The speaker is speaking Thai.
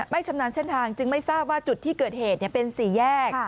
ชำนาญเส้นทางจึงไม่ทราบว่าจุดที่เกิดเหตุเป็นสี่แยก